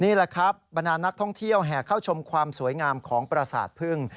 นี่แหละครับบรรดานักท่องเที่ยวแห่เข้าชมความสวยงามของประสาทพึ่ง